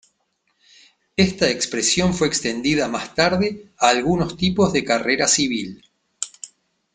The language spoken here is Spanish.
Esta expresión fue extendida más tarde a algunos tipos de carrera civil.